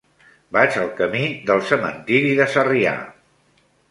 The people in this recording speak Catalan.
Vaig al camí del Cementiri de Sarrià.